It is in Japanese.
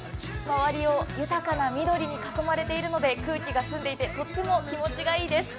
周りを豊かな緑に囲まれているので空気が澄んでいてとっても気持ちがいいです。